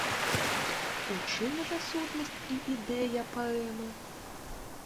У чым жа сутнасць і ідэя паэмы?